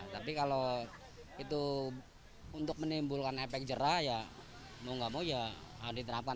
tapi kalau itu untuk menimbulkan efek jerah ya mau nggak mau ya diterapkan